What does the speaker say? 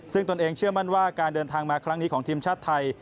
ซึ่งตนเองเชื่อมั่นว่าการเดินทางมาครั้งนี้ของทีมชาติไทย